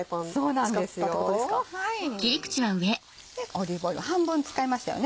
オリーブオイル半分使いましたよね。